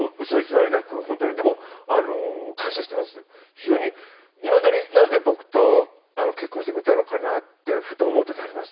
非常にいまだになんで僕と結婚してくれたのかなってふと思う時あります。